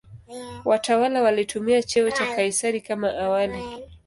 Watawala walitumia cheo cha "Kaisari" kama awali.